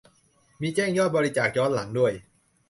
มีแจ้งยอดบริจาคย้อนหลังด้วย